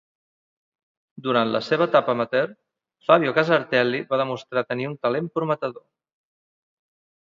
Durant la seva etapa amateur, Fabio Casartelli va demostrar tenir un talent prometedor.